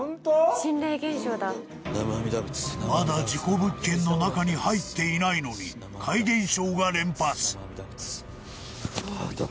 心霊現象だまだ事故物件の中に入っていないのに怪現象が連発南無阿弥陀仏